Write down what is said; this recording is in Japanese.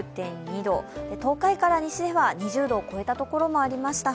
東海から西では２０度を超えた所もありました。